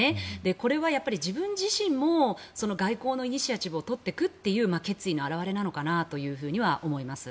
これは自分自身も外交のイニシアチブを取っていくという決意の表れなのかなと思います。